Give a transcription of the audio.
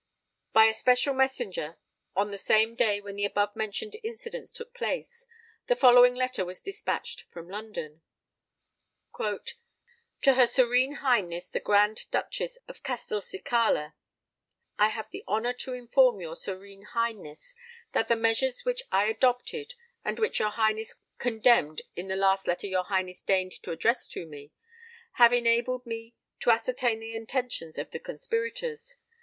By a special messenger, on the same day when the above mentioned incidents took place, the following letter was despatched from London:— "TO HER SERENE HIGHNESS THE GRAND DUCHESS OF CASTELCICALA. "I have the honour to inform your Serene Highness that the measures which I adopted (and which your Highness condemned in the last letter your Highness deigned to address to me) have enabled me to ascertain the intentions of the conspirators.